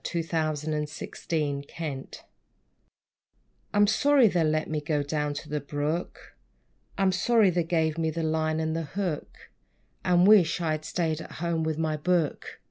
=The Dissatisfied Angler Boy= I'm sorry they let me go down to the brook; I'm sorry they gave me the line and the hook; And wish I had staid at home with my book!